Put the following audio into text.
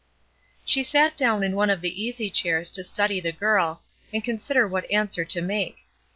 She sat down in one of the easy chairs to study the girl, and consider what answer to make.